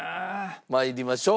まいりましょう。